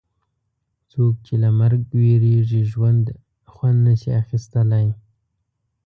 څوک چې له مرګ وېرېږي له ژونده خوند نه شي اخیستلای.